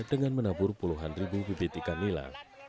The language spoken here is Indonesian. dengan menabur puluhan ribu bibit ikan nila